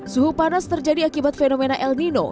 suhu panas terjadi akibat fenomena el nino